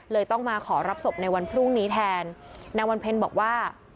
ต้องมาขอรับศพในวันพรุ่งนี้แทนนางวันเพ็ญบอกว่า